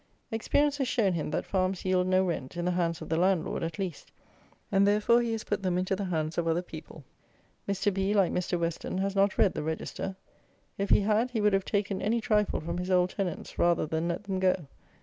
Experience has shown him that farms yield no rent, in the hands of the landlord at least; and therefore he has put them into the hands of other people. Mr. B , like Mr. Western, has not read the Register. If he had, he would have taken any trifle from his old tenants, rather than let them go.